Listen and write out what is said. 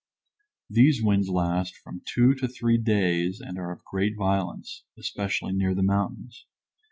These winds last from two to three days and are of great violence especially near the mountains.